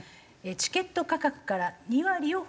チケット価格から２割を補助。